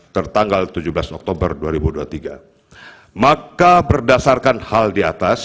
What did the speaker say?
pertama di atas pertimbangan hukum di atas